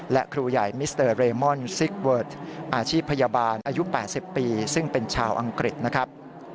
และครูใหญ่มิสเตอร์เรมอนซิกเวิร์ดอาชีพพยาบาลอายุ๘๐ปีซึ่งเป็นชาวอังกฤษนะครับ